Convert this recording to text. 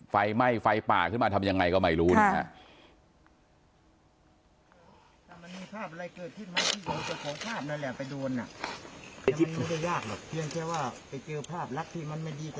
ไฟไหม้ไฟป่าขึ้นมาทำยังไงก็ไม่รู้นะฮะ